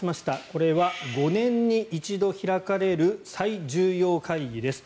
これは５年に一度開かれる最重要会議です。